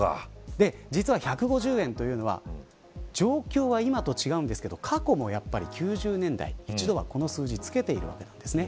実は１５０円というのは状況は今と違うんですが過去も９０年代一度はこの数字つけているわけなんです。